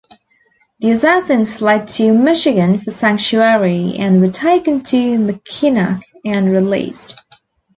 The assassins fled to "Michigan" for sanctuary and were taken to Mackinac and released.